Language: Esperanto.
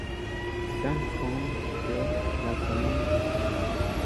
Dankon pro la komento.